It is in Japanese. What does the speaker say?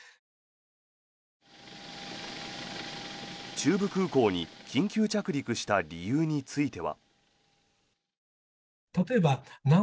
中部空港に緊急着陸した理由については。